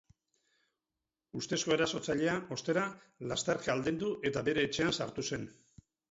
Ustezko erasotzailea, ostera, lasterka aldendu eta bere etxean sartu zen.